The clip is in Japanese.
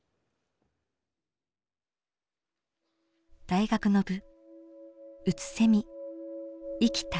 大学の部。